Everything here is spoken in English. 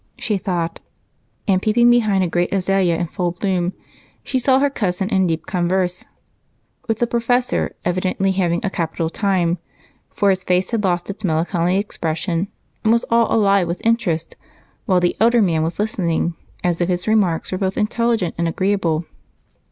she thought, and, peeping behind a great azalea in full bloom, she saw her cousin in deep conversation with the professor, evidently having a capital time, for his face had lost its melancholy expression and was all alive with interest, while the elder man was listening as if his remarks were both intelligent and agreeable.